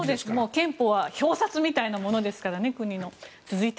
憲法は国の表札みたいなものですからね。